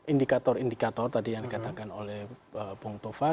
indikator indikator tadi yang dikatakan oleh bung tovar